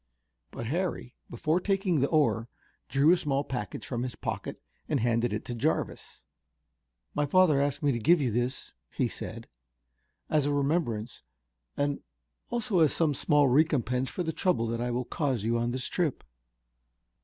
But Harry, before taking the oar, drew a small package from his pocket and handed it to Jarvis. "My father asked me to give you this," he said, "as a remembrance and also as some small recompense for the trouble that I will cause you on this trip."